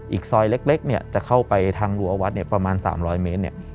อีกซอยเล็กจะเข้าไปทางรัววัดประมาณ๓๐๐เมตร